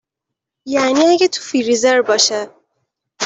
یعنی اگه تو فریزر باشه